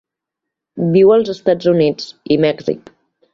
Viu als Estats Units i Mèxic.